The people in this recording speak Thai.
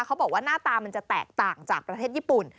เขาบอกว่าหน้าตามันจะแตกต่างจากประเทศญี่ปุ่น